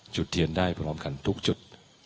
จุดเทียนได้พร้อมกันทุกจุด